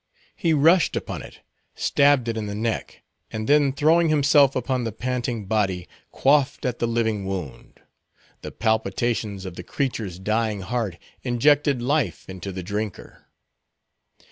He rushed upon it, stabbed it in the neck, and then throwing himself upon the panting body quaffed at the living wound; the palpitations of the creature's dying heart injected life into the drinker.